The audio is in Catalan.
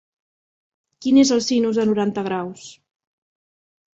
Quin és el sinus de noranta graus?